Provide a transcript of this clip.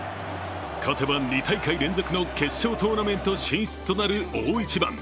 勝てば２大会連続の決勝トーナメント進出となる大一番。